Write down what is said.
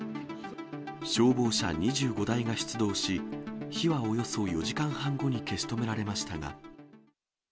消防車２５台が出動し、火はおよそ４時間半後に消し止められましたが。